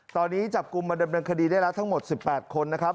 ตอนนี้จับกลุ่มมาดำเนินคดีได้แล้วทั้งหมด๑๘คนนะครับ